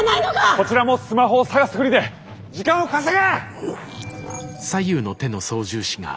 こちらもスマホを探すふりで時間を稼げ！